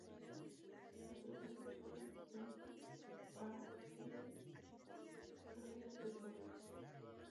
Los tres miembros fueron en para perseguir carreras de solo.